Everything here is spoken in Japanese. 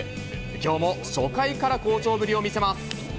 きょうも初回から好調ぶりを見せます。